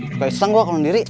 buka istang gue aku nunggu diri